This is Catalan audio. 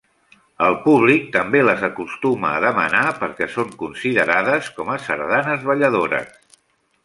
El públic també les acostuma a demanar perquè són considerades com a sardanes balladores.